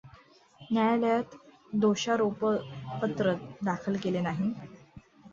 न्यायालयात दोषारोपपत्र दाखल केले नाही.